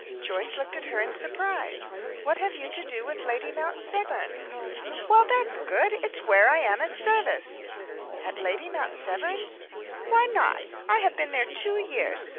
Joyce looked at her in surprise. "What have you to do with Lady Mount Severn?" "Well, that's good! It's where I am at service." "At Lady Mount Severn's?" "Why not? I have been there two years.